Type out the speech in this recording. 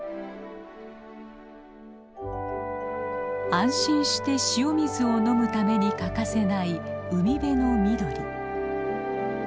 安心して塩水を飲むために欠かせない海辺の緑。